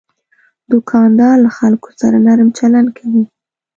دوکاندار له خلکو سره نرم چلند کوي.